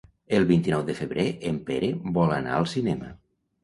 El vint-i-nou de febrer en Pere vol anar al cinema.